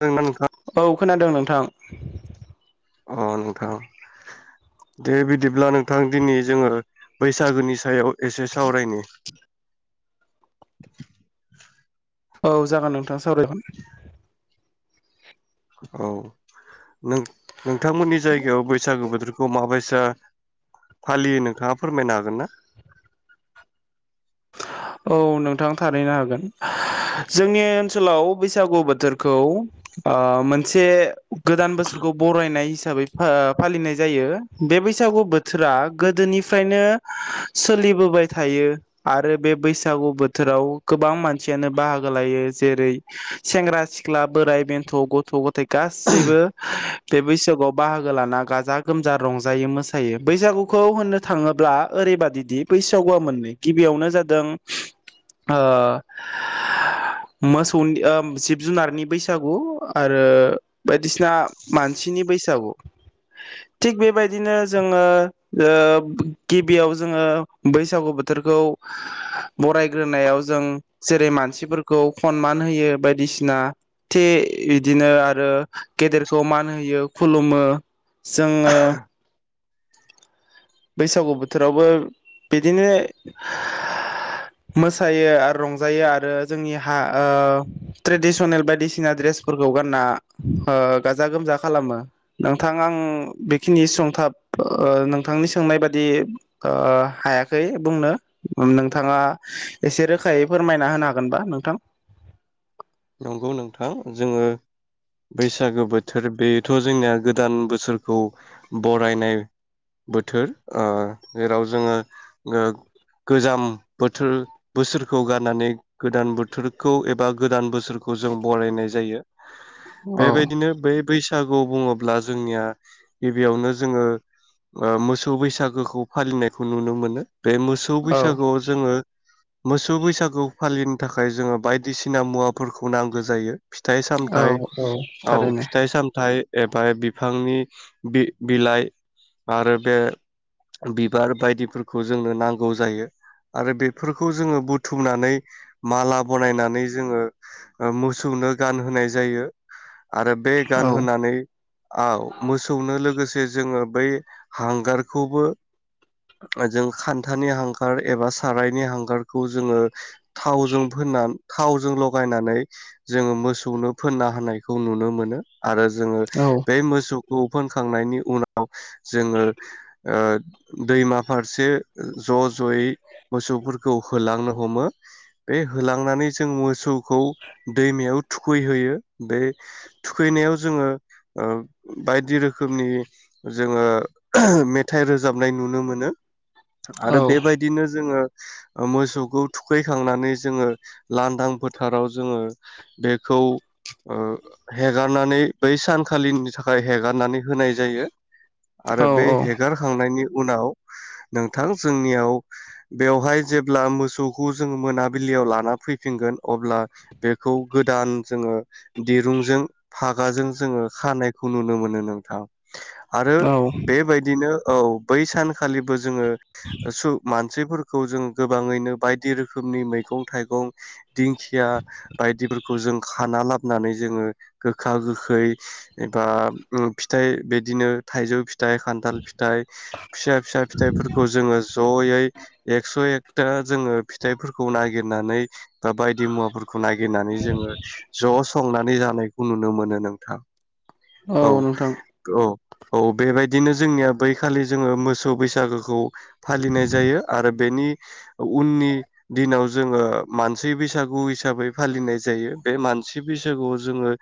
खो [unintelligible] ना नोंथाङा? अ खोनादों नोंथां। अ नोंथां दे बिदिब्ला नोंथां दिनै जोङो बैसागोनि सायाव एसे सावरायनि। औ जागोन नों थाङा सावरायगोन औ नों नोंथांमोननि जायगायाव बैसागो बोथोरखौ माबायस दा फालियो नोंथाङा फोरमायनो हागोन ना? औ नोंथां थारैनो हागोन। जोंनि ओनसोलाव बैसागु बोथोरखौ ओ मोनसे गोदान बोसोरखौ बरायनाय हिस हिसाबै फा फालिनाय जायो बे बैसागु बोथोरा गोदोनिफ्रायनो सोलिबोबाय थायो। आरो बे बैसागु बोथोराव गोबां मानसियानो बाहागो लायो जेरै सेंग्रा सिख्ला बोराइ बेन्थ' गथ' ग'थाय गासैबो बे बैसागुआव बाहागो लाना गाजा गोमजा रंजायो मोसायो बैसागुखौ होननो थाङोब्ला ओरैबादिदि बैसागुआ मोननै गिबियावनो जादों ओ मोसौनि ओम जिब जुनारनि बैसागु आरो बायदिसिना मानसिनि बैसागु थिग बेबायदिनो जोङो ओ गिबियाव जोङो बैसागु बोथ बोथोरखौ बरायग्रोनायाव जों जेरै मानसिफोरखौ खनमान होयो बायदिसिना थि बिदिनो आरो गेदेरखौ मान होयो खुलुमो जोङो बैसागु बोथोरावबो बिदिनो मोसायो आरो रंजायो आरो जोंनि हा ओ ट्रेडिसनेल बायदिसिना ड्रेसफोरखौ गानना ओ गाजा गोमजा खालामो नोंथां आं बेखिनि सुंथाब ओ नों नोंथांनि सोंनाय बादि ओ हायाखै बुंनो नोंथाङा एसेबो रोखायै फोरमायना होनो हागोनबा नोंथां नंगौ नोंथां जोङो बैसागो बोथोर बेथ' जोंनिया गोदान बोसोरखौ बरायनाय बोथोर ओ जेराव जोङो ओ गोजाम बोथोर बोसोरखौ गारनानै गोदान बोथोरखौ एबा गोदान बोस सोरखौ जों बरायनाय जायो। औ बेबायदिनो बै बैस बैसागु बुङोब्ला जोंनिया। गिबियावनो जोङो, ओ मोसौ बैसागुखौ फालिनायखौ नुनो मोनो। बे मोसौ औ बैसागुआव जोङो मोसौ बैसागु फालि थाखाय जोङो बायदिसिना मुवा फोरखौ नांगो जायो। फिथाइ औ सामथाइ, औ थारैनो फिथाइ सामथाइ। एबा बिफांनि बि- बिलाइ, आरो बे बिबार बायदिफोरखौ जोंनो नांगौ जायो। आरो बेफोरखौ जोङो बुथुमनानै माला बनायनानै जोङो ओ मोसौनो गानहोनाय जायो। आरो बे गान औ होनानै ओ मोसौनो लोगोसे। जोङो बै हांगारखौबो जों खान्थानि हांगार एबा सारायनि हांगारखौ जोङो। थावजों फोननानै थावजों ल' [unintelligible] जोङो मोसौनो फोनना होनायखौ नुनो मोनो। आरो जोङो औ बे मोसौ खौ फोनखांनायनि उनाव। जोङो ओ। दैमा फारसे ज' ज'यै मोसौफोर खौ होलांनो हमो, बे होलांनानै जों मोसौ खौ दैमायाव थुखैहोयो बै थुखैनायाव जोङो, ओ बायदि रोखोमनि जोङो मेथाइ रोजाबनाय नुनो मोनो। आरो औ बेबायदिनो जोङो। ओ मोसौखौ थुखैखांनानै जोङो लांदां फोथाराव जोङो, बेखौ ओ हेगारनानै बै सानखालिनि थाखाय हेगारनानै होनाय जायो। आरो औ बे हेगारखांनायनि उनाव नोंथां जोंनियाव, बेवहाय जेब्ला मोसौखौ जोङो मोनाबिलियाव लाना फैफिनगोन। अब्ला बेखौ गोदान जोङो दिरुंजों फागाजों जोङो खानायखौ नुनो मोनो नोंथां। आरो औ बेबायदिनो औ बै सानखालिबो। जोङो सु मान मानसिफोरखौ जों गोबाङैनो बायदि रोखोमनि मैगं थाइगं दिंखिया बायदिफोरखौ जों खाना लाबोनानै जोङो गोखा गोखै एबा फिथाइ बिदिनो थाइजौ फि फिथाइ खान्थाल फिथाइ, फिसा फिसा फिथाइफोरखौ जोङो जयै एक्स' एक दा जोङो फिथाइफोरखौ नागिरनानै बा बायदि मुवाफोरखौ नागिरनानै जोङो ज' संनानै जानायखौ नुनो मोनो नोंथां। औ औ। औ बेबायदिनो जोंनिया बैखालि जोङो, मोसौ बैसागोखौ फालिनाय जायो। आरो बेनि उननि दिनाव जोङो मानसि बैसागु हिसाबै फालिनाय जायो। बे मानसि बैसागुआव जोङो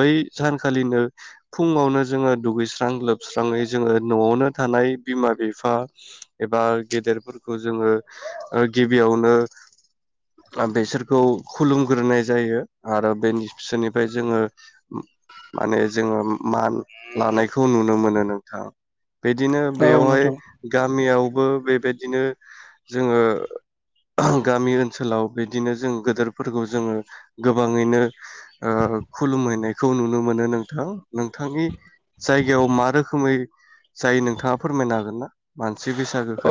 बै सानखालिनो फुङावनो जोङो दुगैस्रां लोबस्राङै जोङो न'आवनो थानाय बिमा बिफा एबा गेदेरफोरखौ जोङो ओ गिबियावनो बेसोरखौ खुलुमग्रोनाय जायो आरो बे बिसोरनिफ्राय जोङो माने जोङो मान लानायखौ नुनो मोनो नोंथां बेदिनो औ बेवहाय नोंथां गामियाव बो बेबायदिनो जोङो गामि ओनसोलाव बिदिनो जों गोदोरफोरखौ जोङो गोबाङैनो ओ खुलुमहैनायखौ नुनो मोनो नों [unintelligible] नोंथांनि जायगायाव मा रोखोमै जायो नोंथाङा फोरमायनो हागोन ना? मा औ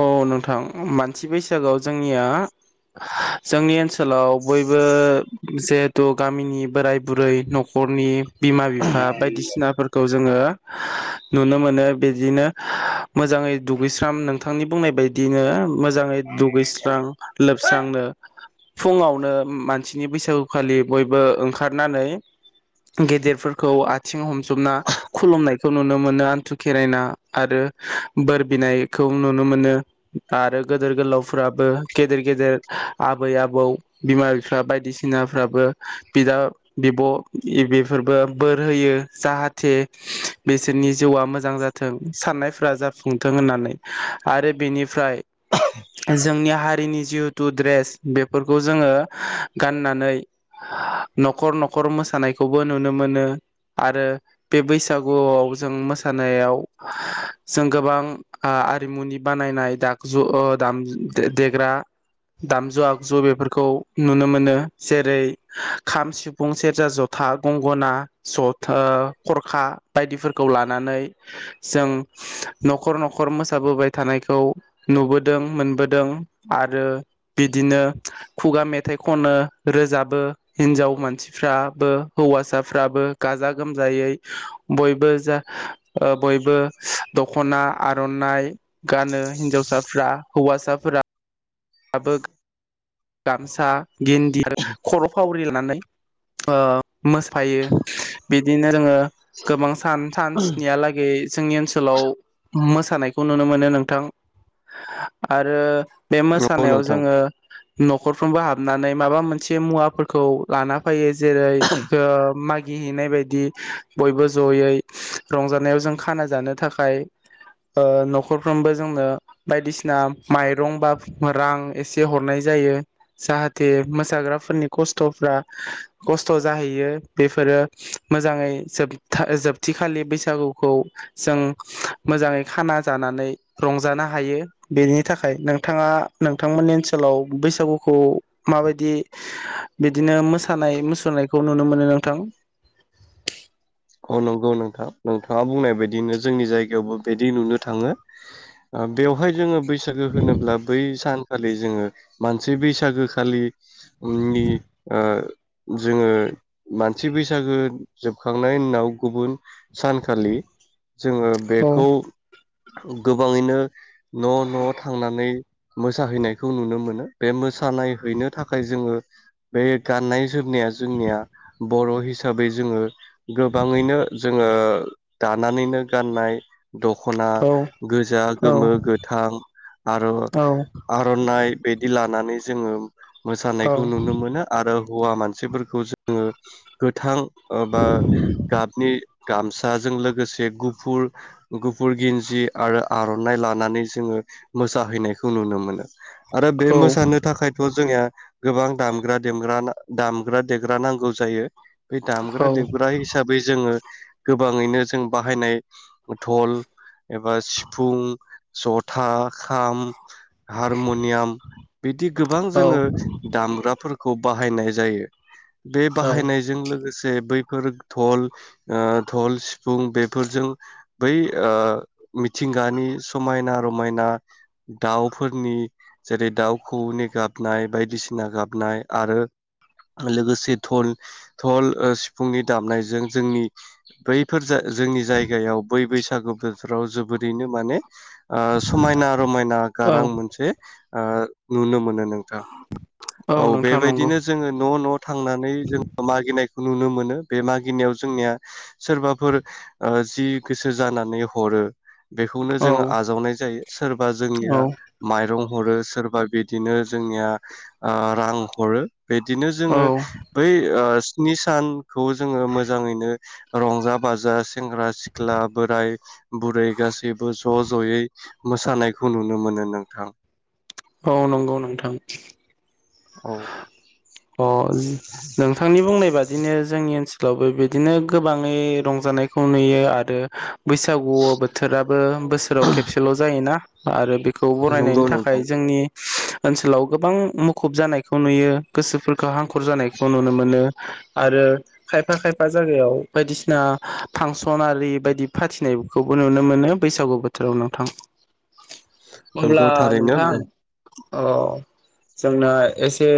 औ नोंथां मानसि बैसागुआव जोंनिया जोंनि ओनसोल ओनसोलाव बयबो मोनसे थ' गामिनि बोराय बुरै न'खरनि बिमा बिफा बायदिसिनाफोरखौ जोङो नुनो मोनो बिदिनो मोजाङै दुगैस्राम नोंथांनि बुंनाय बायदियैनो मो जाङै दुगैस्रां लोबस्रांनो फुङावनो मानसि नि बैसागुखालि बयबो ओंखारनानै गेदेरफोरखौ आथिं हम जुबना खुलुमनाय खौ नुनो मोनो आन्थु खेरायना आरो बोर बिनायखौ नुनो मोनो आरो गदेर गोलावफ्राबो गेदेर गेदेर आबै आबौ बिमा बिफा बायदिसिनाफ्राबो बिदा बिब' बेफोरबो बोर होयो जाहाथे बिसोरनि जिउआ मोजां जाथों साननाय फोरा जाफुंथों होननानै आरो बेनिफ्राय जोंनि हारिनि जिहेथु द्रेस बेफोरखौ जोङो गाननानै न'खर न'खर मोसानायखौबो नुनो मोनो आरो बे बैसागुआव जों मोसानायाव जों गोबां आ आरिमुनि बानायनाय दागजु ओ दाम ज देग्रा दामजु आगजु बेफोरखौ नुनो मोनो जेरै-खाम, सिफुं, सेरजा, ज'था गंगना जथा ओ खरखा बायदिफोरखौ लानानै जों न'खर न'खर मोसाबोबाय थानायखौ नुबोदों मोनबोदों आरो बिदिनो खुगा मेथाइ खनो रोजाबो हिनजाव मानसिफ्राबो हौवासाफ्राबो गाजा गोमजायै बयबो जा ओ बयबो दख'ना, आर'नाइ गानो हिन्जावसाफ्रा हौवासा फोरा दाबो गामसा गेन्दिया खर' फावरि लानानै ओ मोसफायो बिदिनो जोङो गोबां सान सान स्निहालागै जोंनि ओनसोल सोलाव मोसानायखौ नुनो मोनो नोंथां आरो फेमास नंगौ खानायाव नोंथां जोङो न'खरफ्रोमबो हाबनानै माबा मोनसे मुवाफोरखौ लाना फैयो जेरै ओह मागि गिहैनाय बायदि बयबो ज'यै रंजानायाव जों खाना जानो थाखाय ओ न'खरफ्रोमबो जोंनो बायदिसिना माइरं बा रां एसे हरनाय जायो जाहाथे मोसाग्राफोरनि खस्थ'फ्रा खस्थ' जाहैयो बेफोरो मोजाङै जोबथिखालि बैसागुखौ जों मोजाङै खाना जानानै रंजानो हायो बेनि थाखाय नों नोंथाङा नोंथांमोननि ओनसोलाव बैसागुखौ माबायदि बिदिनो मोसानाय मुसुरनायखौ नुनो मोनो नोंथां औ नंगौ नोंथां नोंथाङा बुंनाय बायदिनो जोंनि जायगायावबो बिदि नुनो थाङो बेवहाय जोङो बे बैसागो होनोब्ला बै सान खालि जोंङो मानसि बैसागो खालि उननि ओ जोंङो मानसि बैसागो जोबखां नायनि उनाव गुबुन सानखालि जोंङो औ बेखौ गोबांङैनो न' न' थांनानै मोसाहैनाय खौ नुनो मोनो बे मोस थानाय हैनो थाखाय जोंङो बे गाननाय जोमनाया जोंनिया बर' हिसाबै जोंङो गोबांङैनो जोंङो दानानैनो गाननाय दख'ना औ गोजा औ गोमो गोथां आरो औ आर'नाइ बिदि लानानै जोंङो औ मोसानायखौ नुनो मोनो आरो हौवा मानसिफोरखौ जोंङो गोथां ओ बा गाबनि गामसाजों लोगोसे गुफुर गुफुर गिन्जि आरो आर'नाइ लानानै जोंङो मोसाहैनायखौ नुनो मोनो। आरो बे औ मोसानो थाखायथ' जोंनिया गोबां दामग्रा देमग्रा ना दामग्रा देग्रा नांगौ जायो। बे दामग्रा देग हिसाबै जोंङो गोबांङैनो जों बाहायनाय धल एबा सिफुं जथा खाम, हारमुनियाम बिदि गोबां औ जोंङो दामग्राफोरखौ बा हायनाय जायो। बे औ बाहायनायजों लोगो से बैब फोर धल ओ धल, सिफुं बेफोरजों बै ओ मिथिंगानि समायना रमायना दाव फोरनि जेरै दाव खोऔनि गाबनाय बायदिसिना गाबनाय आरो लोगोसे धल-धल ओ सि फुंनि दामनायजों जोंनि बैफोर जो जोंनि जायगायाव बै बैसाग बैसागु बोथोराव जोबोरैनो माने ओ समायना रमायना औ गारां मोनसे ओ नुनो मोनो। नोंथां औ नोंथां नंगौ बेबायदिनो जोङो न' न' थांनानै जोङो मागिनाय नुनो मोनो बे मागिनायाव जोंनिया सोरबाफोर ओ जि गोसो जानानै हरो बेखौनो औ जोङो आजावनाय जायो सोरबा औ जोंनिया माइरं हरो सोरबा बिदिनो जोंनिया ओ रां हरो। बेदिनो औ जोङो बै ओ नि सान खौ जोङो मोजाङैनो रंजा-बाजा सेंग्रा-सिख्ला, बोराय-बुरै गासैबो ज' ज'यै मोसानायखौ नुनो मोनो नोंथां औ नंगौ नोंथां औ अ नोंथांनि बुंनाय बा दिनो जों ओनसोलावबो बिदिनो गोबाङै रंजानायखौ नुयो आरो बैसागु बोथोराबो बोसोराव खेबसेल' जायोना आरो बे खौ नंगौ बरायनायनि नोंथां थाखाय जोंनि ओनसोलाव गोबां मुखुब जानाय खौ नुयो गोसोफोरखौ हांखुर जानायखौ नुनो मोनो आरो खायफा खायफा जायगायाव बायदिसिना फांसन आरि बायदि फाथिनायखौबो नुनो मोनो बैसागु बोथोराव नोंथां। अब्ला नंगौ थारैनो नोंथां औ जोंना एसे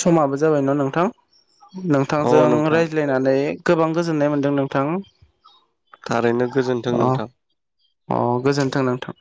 समाबो जाबायना नोंथां। अ नोंथांजों नोंथां रायज्लायनानै गोबां गोजोननाय मोन्दों नोंथां थारैनो गोजोनथों अ नोंथां। अ गोजोनथों नोंथां।